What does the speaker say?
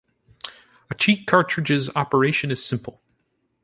A cheat cartridge's operation is simple.